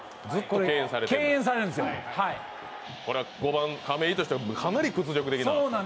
これは５番・亀井としてはかなり屈辱な。